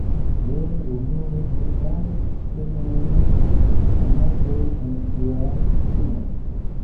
Lee unue nur faris scenojn kun amantoj en siaj filmoj.